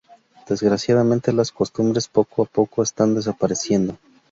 Desgraciadamente las costumbres poco a poco están desapareciendo.